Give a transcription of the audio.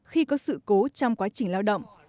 khi có sự cố trong quá trình lao động